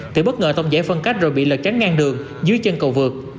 tuy bất ngờ tông giải phân cách rồi bị lật trắng ngang đường dưới chân cầu vượt